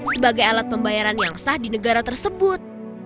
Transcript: sebagai alat pembayaran yang sah di negara tersebut